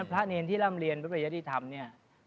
พระเนรที่ร่ำเรียนพระประยติธรรมเนี่ย